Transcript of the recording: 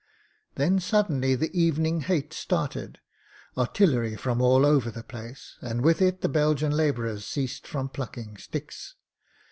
"Then suddenly the evening hate started — ^artillery from all over the place — ^and with it the Belgian labourers ceased from plucking sticks.